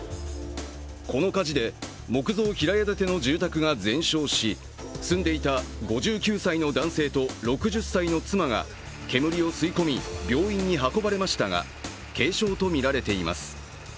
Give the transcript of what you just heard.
この火事で木造平屋建ての住宅が全焼し住んでいた５９歳の男性と６０歳の妻が煙を吸い込み、病院に運ばれましたが、軽傷とみられています。